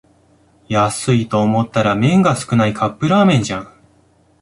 安いと思ったら麺が少ないカップラーメンじゃん